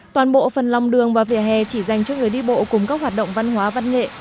toàn bộ phần lòng đường và vỉa hè chỉ dành cho người đi bộ cùng các hoạt động văn hóa văn nghệ